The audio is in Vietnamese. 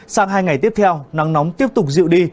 sang hai ngày tiếp theo nắng nóng tiếp tục dịu đi